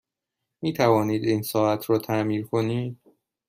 می توانید این ساعت را تعمیر کنید؟